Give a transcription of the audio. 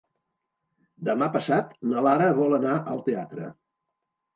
Demà passat na Lara vol anar al teatre.